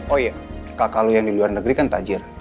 oh iya kalau yang di luar negeri kan tajir